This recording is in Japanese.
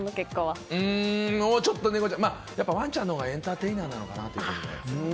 やっぱり、ちょっとワンちゃんのほうがエンターテイナーなのかなということで。